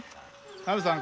ナミさん